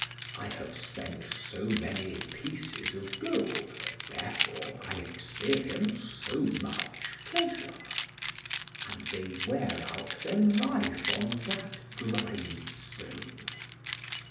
I have spent so many pieces of gold, therefore I experience so much pleasure." And they wear out their life on that grindstone.